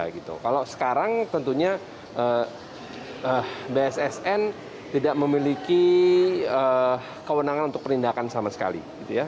kalau sekarang tentunya bssn tidak memiliki kewenangan untuk penindakan sama sekali